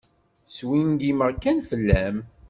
Swingimeɣ kan fell-am.